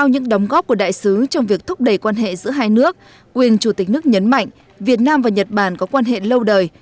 những đóng góp của đại sứ trong việc thúc đẩy quan hệ giữa hai nước quyền chủ tịch nước nhấn mạnh việt nam và nhật bản có quan hệ lâu đời